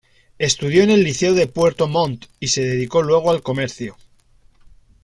Estudió en el Liceo de Puerto Montt y se dedicó luego al comercio.